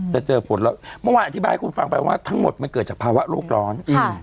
เจอฝนแล้วเมื่อวานอธิบายให้คุณฟังไปว่าทั้งหมดมันเกิดจากภาวะโลกร้อน